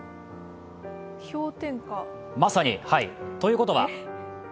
氷点下まさに、ということは？